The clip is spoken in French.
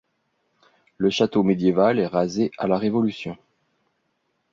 Le château médiéval est rasé à la Révolution.